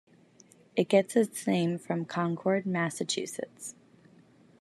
It gets its name from Concord, Massachusetts.